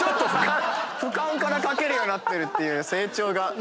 ふかんから描けるようになってるっていう成長が。